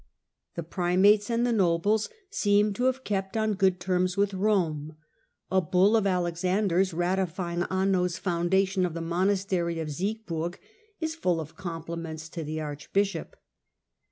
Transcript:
The primates and preia^^ the nobles seem to have kept on good terms thepai^cy ^^j^ Rq^q ^ ^^U ^f Alexander's ratifying Anno's foundation of the monastery of Siegburg is full of compliments to the archbishop.